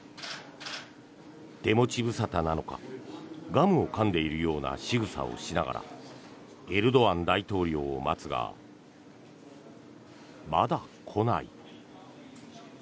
手持ち無沙汰なのかガムをかんでいるようなしぐさをしながらエルドアン大統領を待つがまだ来ない。